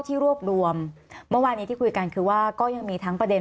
ที่รวบรวมเมื่อวานนี้ที่คุยกันคือว่าก็ยังมีทั้งประเด็น